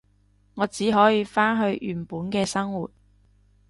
我只可以返去原本嘅生活